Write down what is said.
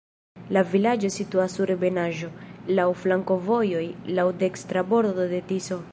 La vilaĝo situas sur ebenaĵo, laŭ flankovojoj, laŭ dekstra bordo de Tiso.